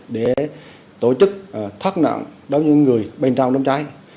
để tổ chức thất nặng đối với những người bên trong đám cháy